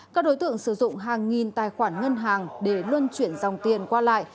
các đối tượng sử dụng hàng nghìn tài khoản ngân hàng để luân chuyển dòng tiền qua lại